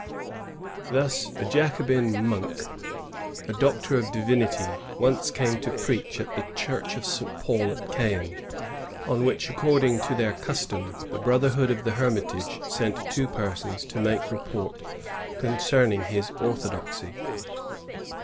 Thus a Jacobin monk, a doctor of divinity, once came to preach at the church of St. Paul at Caen; on which, according to their custom, the brotherhood of the Hermitage sent two persons to make report concerning his orthodoxy.